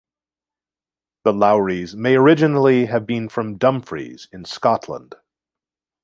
The Lowrys may originally have been from Dumfries in Scotland.